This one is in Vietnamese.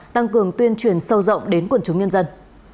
tăng cường tuyên truyền sâu rộng đến quần chúng nhân dân